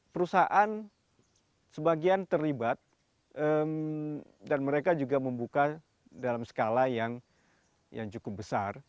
perusahaan sebagian terlibat dan mereka juga membuka dalam skala yang cukup besar